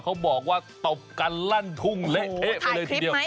เขาบอกว่าตบกันลั่นทุ่งเละเทะไปเลยทีเดียว